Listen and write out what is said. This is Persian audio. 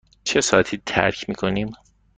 چه ساعتی ترک می کنیم؟